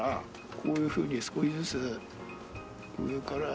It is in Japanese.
こういうふうに少しずつ上から。